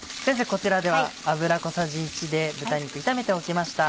こちらでは油小さじ１で豚肉炒めておきました。